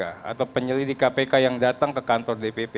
atau penyelidik kpk yang datang ke kantor dpp